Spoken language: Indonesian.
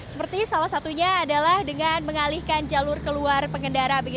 seperti salah satunya adalah dengan mengalihkan jalur keluar pengendara